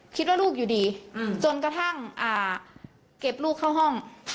คิดว่าลูกอยู่ดีจนกระทั่งเก็บลูกเข้าห้อง